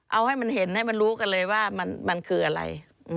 เอาให้มันเห็นให้มันรู้กันเลยว่ามันคืออะไร